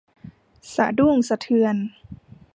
สะดุ้งสะเทือน